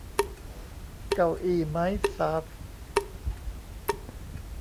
เก้าอี้มั้ยสัส !